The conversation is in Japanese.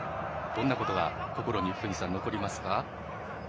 どんなことが心に残りますか。